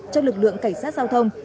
cho lực lượng cảnh sát giao thông